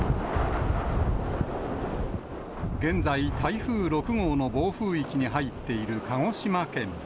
現在、台風６号の暴風域に入っている鹿児島県。